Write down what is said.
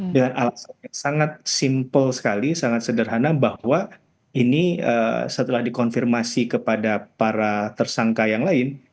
dengan alasan yang sangat simpel sekali sangat sederhana bahwa ini setelah dikonfirmasi kepada para tersangka yang lain